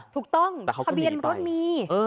ถูกต้องแต่เขาก็หนีไปทะเบียนรถมีเออ